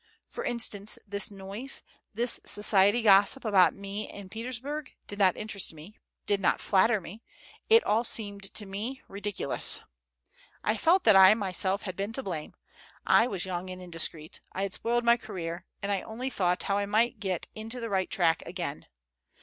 For instance, this noise, this society gossip about me in Petersburg, did not interest me, did not flatter me; it all seemed to me ridiculous. I felt that I myself had been to blame; I was young and indiscreet; I had spoiled my career, and I only thought how I might get into the right track again.